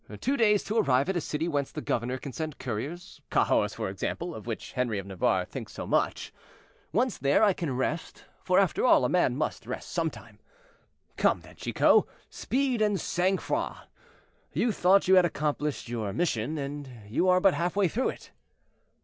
Two days to arrive at a city whence the governor can send couriers; Cahors, for example, of which Henri of Navarre thinks so much. Once there, I can rest, for after all a man must rest some time. Come, then, Chicot, speed and sang froid. You thought you had accomplished your mission, and you are but half way through it."